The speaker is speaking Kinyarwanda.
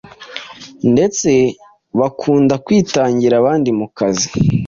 ndetse bakunda kwitangira abandi mu kazi.